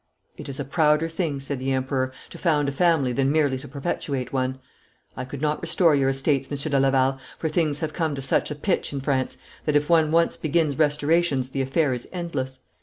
'It is a prouder thing,' said the Emperor, 'to found a family than merely to perpetuate one. I could not restore your estates, Monsieur de Laval, for things have come to such a pitch in France that if one once begins restorations the affair is endless.